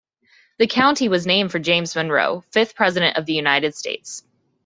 The county was named for James Monroe, fifth President of the United States.